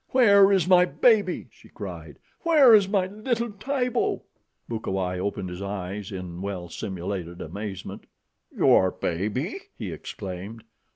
"Where is my baby?" she cried. "Where is my little Tibo?" Bukawai opened his eyes in well simulated amazement. "Your baby!" he exclaimed.